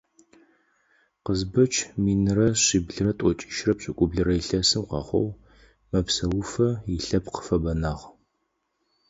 Къызбэч минрэ шъиблрэ тӀокӀищырэ пшӀыкӀублырэ илъэсым къэхъугъ, мэпсэуфэ илъэпкъ фэбэнагъ.